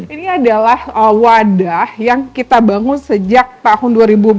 ini adalah wadah yang kita bangun sejak tahun dua ribu empat belas